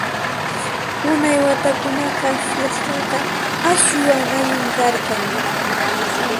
Unay watakunamá fistaqa aswan allin karqan!